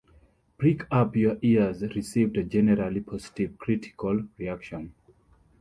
"Prick Up Your Ears" received a generally positive critical reaction.